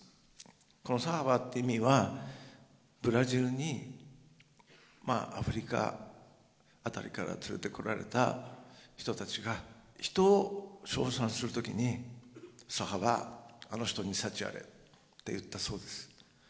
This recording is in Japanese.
この「サラヴァ」っていう意味はブラジルにアフリカ辺りから連れてこられた人たちが人を称賛する時に「サラヴァあの人に幸あれ」って言ったそうです。